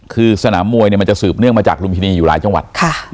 คือสนามมวยมันจะสืบเนื่องมาจากลุมพินีอยู่หลายจังหวัด